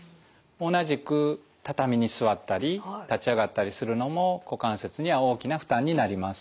同じく畳に座ったり立ち上がったりするのも股関節には大きな負担になります。